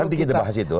nanti kita bahas itu